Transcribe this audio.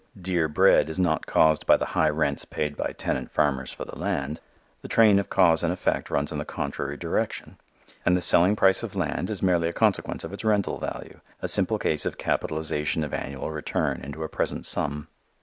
Dear bread is not caused by the high rents paid by tenant farmers for the land: the train of cause and effect runs in the contrary direction. And the selling price of land is merely a consequence of its rental value, a simple case of capitalization of annual return into a present sum.